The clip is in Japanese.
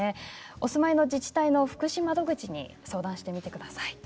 お住まいの自治体の福祉窓口に相談してみてください。